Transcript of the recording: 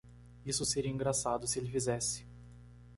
Isso seria engraçado se ele fizesse.